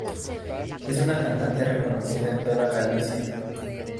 Es una cantante reconocida en toda Galicia.